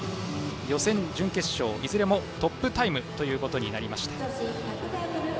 予選、準決勝、いずれもトップタイムとなりました。